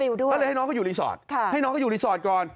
แล้วเลยให้น้องก็อยู่รีสอร์ทให้น้องก็อยู่รีสอร์ทก่อน